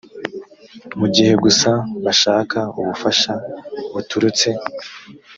mu gihe gusa bashaka ubufasha buturutse